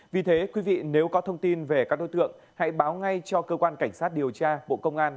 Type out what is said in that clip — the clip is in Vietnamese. vì thế quý vị nếu có thông tin về các đối tượng hãy báo ngay cho cơ quan cảnh sát điều tra bộ công an